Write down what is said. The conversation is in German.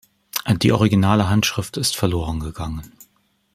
Die originale Handschrift ist verloren gegangen.